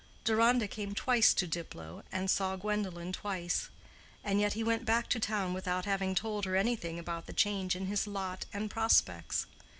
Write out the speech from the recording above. Deronda came twice to Diplow, and saw Gwendolen twice—and yet he went back to town without having told her anything about the change in his lot and prospects.